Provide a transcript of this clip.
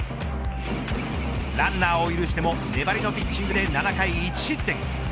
ランナーを許しても粘りのピッチングで７回１失点。